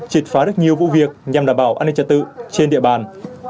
trịt phá rất nhiều vụ việc nhằm đảm bảo an ninh trật tự trên địa bàn